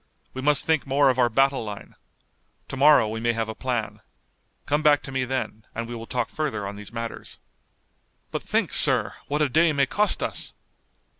We must think more of our battle line. To morrow we may have a plan. Come back to me then, and we will talk further on these matters." "But think, sir, what a day may cost us!"